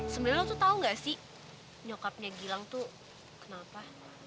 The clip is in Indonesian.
sebenernya lo tuh tahu nggak sih nyokapnya gilang tuh kenal apa